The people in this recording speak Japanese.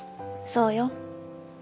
そうよ。